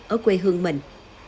ở quê hương mình